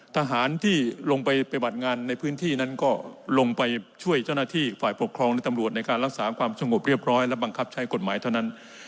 ทหารที่ลงไปปฏิบัติงานในพื้นที่นั้นก็ลงไปช่วยเจ้าหน้าที่ฝ่ายปกครองและตำรวจในการรักษาความสงบเรียบร้อยและบังคับใช้กฎหมายเท่านั้น